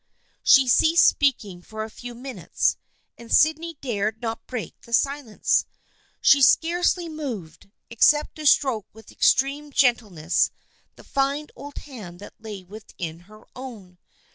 She ceased speaking for a few minutes, and Sydney dared not break the silence. She scarcely moved, except to stroke with extreme gentleness the tine old hand that lay within her own.